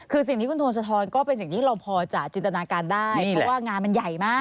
คือสิ่งที่คุณทงสะท้อนก็เป็นสิ่งที่เราพอจะจินตนาการได้เพราะว่างานมันใหญ่มาก